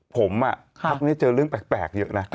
ผมพักนี้เจอเรื่องแปลกเยอะนะ